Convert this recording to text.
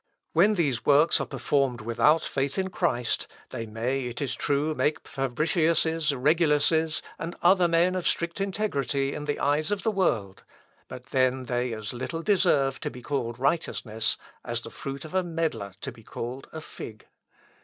When these works are performed without faith in Christ, they may, it is true, make Fabriciuses, Reguluses, and other men of strict integrity in the eyes of the world, but then they as little deserve to be called righteousness, as the fruit of a medlar to be called a fig.